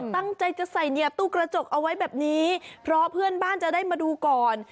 ตั้งใจจะใส่เหยียบตู้กระจกเอาไว้แบบนี้เพราะเพื่อนบ้านจะได้มาดูก่อน